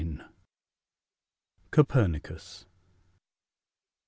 COPERNICUS.